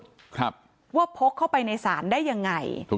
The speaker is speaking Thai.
ว่าพกเข้าไปในศาลได้ยังไง